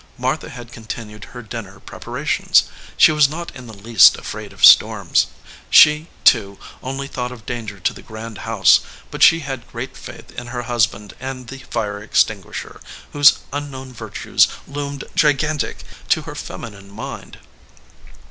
Martha had continued her dinner prepara tions. She was not in the least afraid of storms. She, too, only thought of danger to the grand house, but she had great faith in her husband and the fire extinguisher, whose unknown virtues loomed gigantic to her feminine mind.